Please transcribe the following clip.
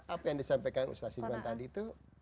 apa yang disampaikan ustadz ibuan tadi itu